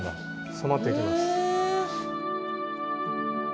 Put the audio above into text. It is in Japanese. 染まっていきます。